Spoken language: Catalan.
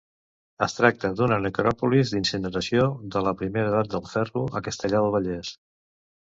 Es tracta d'una necròpolis d'incineració de la Primera Edat del ferro a Castellar del Vallès.